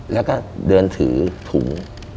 แล้วก็เดินถือถุง